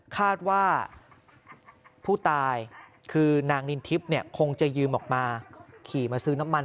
คาดว่าผู้ตายคือนางนินทิพย์เนี่ยคงจะยืมออกมาขี่มาซื้อน้ำมัน